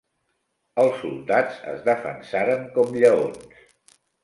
Els soldats es defensaren com lleons.